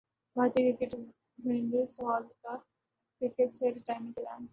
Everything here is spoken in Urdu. بھارتی کرکٹر وریندر سہواگ کا کرکٹ سے ریٹائرمنٹ کا اعلان